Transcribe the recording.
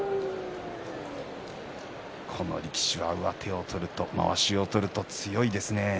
この力士は上手を取るとまわしを取ると強いですね。